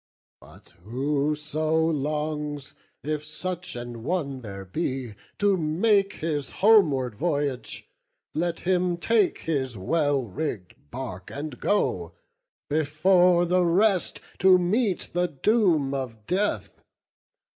But whoso longs, if such an one there be, To make his homeward voyage, let him take His well rigg'd bark, and go; before the rest To meet the doom of death!